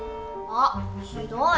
あっひどい。